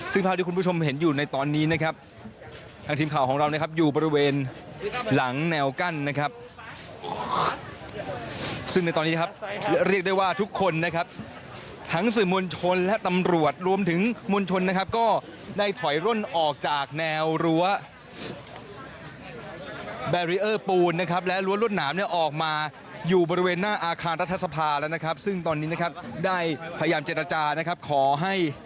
ซึ่งภาพที่คุณผู้ชมเห็นอยู่ในตอนนี้นะครับทางทีมข่าวของเรานะครับอยู่บริเวณหลังแนวกั้นนะครับซึ่งในตอนนี้ครับเรียกได้ว่าทุกคนนะครับทั้งสื่อมวลชนและตำรวจรวมถึงมวลชนนะครับก็ได้ถอยร่นออกจากแนวรั้วแบรีเออร์ปูนนะครับและรั้วรวดหนามเนี่ยออกมาอยู่บริเวณหน้าอาคารรัฐสภาแล้วนะครับซึ่งตอนนี้นะครับได้พยายามเจรจานะครับขอให้